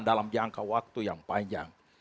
dalam jangka waktu yang panjang